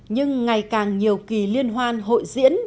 nhưng ngày càng nhiều kỳ liên hoan hội diễn